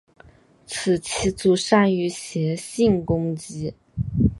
此棋组善于斜行攻击。